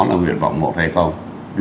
là nguyện vọng một hay không